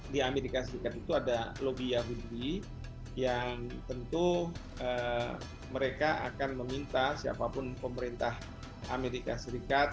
di amerika serikat itu ada lobby yahudi yang tentu mereka akan meminta siapapun pemerintah amerika serikat